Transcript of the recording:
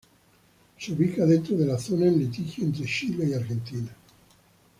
Se ubica dentro de la zona en litigio entre Chile y Argentina.